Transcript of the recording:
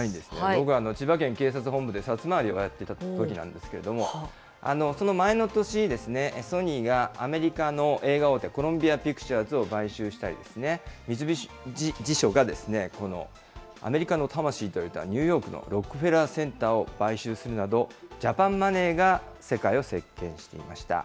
僕は千葉県警察本部でさつまわりをやっていたときなんですけれども、その前の年ですね、ソニーがアメリカの映画大手、コロンビア・ピクチャーを買収したり、三菱地所がこのアメリカの魂といわれたニューヨークのロックフェラーセンターを買収するなど、ジャパンマネーが世界を席けんしていました。